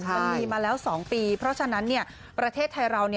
มันมีมาแล้ว๒ปีเพราะฉะนั้นประเทศไทยเรา